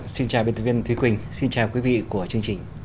xin chào biên tập viên thúy quỳnh xin chào quý vị của chương trình